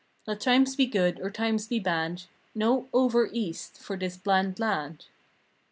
Let times be good or times be bad No "over East" for this bland lad.